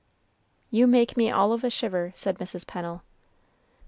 "You make me all of a shiver," said Mrs. Pennel.